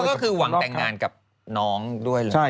ก็คือหวังแต่งงานกับน้องด้วยเลย